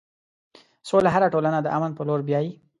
سوله هره ټولنه د امن په لور بیایي.